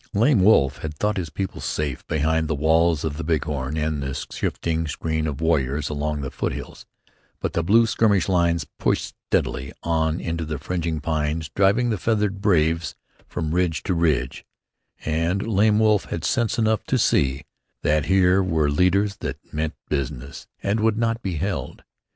Lame Wolf had thought his people safe behind the walls of the Big Horn and the shifting screen of warriors along the foothills, but the blue skirmish lines pushed steadily on into the fringing pines, driving the feathered braves from ridge to ridge, and Lame Wolf had sense enough to see that here were leaders that "meant business" and would not be held.